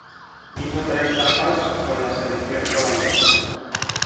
Hizo tres tapas con la selección holandesa.